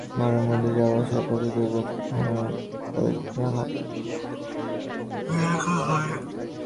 ঘরের মধ্যে যাওয়া-আসার পথে দৈবাৎ কখনো ক্ষণকালের জন্যে লাবণ্যর সঙ্গে দেখা হয়।